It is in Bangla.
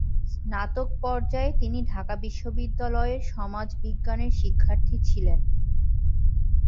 স্নাতক পর্যায়ে তিনি ঢাকা বিশ্ববিদ্যালয়ের সমাজ বিজ্ঞানের শিক্ষার্থী ছিলেন।